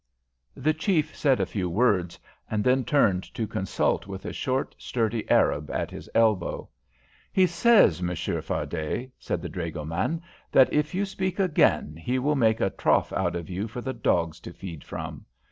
The chief said a few words, and then turned to consult with a short, sturdy Arab at his elbow. "He says, Monsieur Fardet," said the dragoman, "that if you speak again he will make a trough out of you for the dogs to feed from.